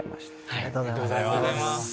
ありがとうございます。